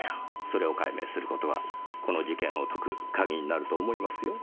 それを解明する事はこの事件を解く鍵になると思いますよ。